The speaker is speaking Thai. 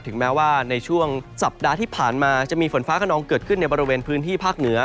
แม้ว่าในช่วงสัปดาห์ที่ผ่านมาจะมีฝนฟ้าขนองเกิดขึ้นในบริเวณพื้นที่ภาคเหนือ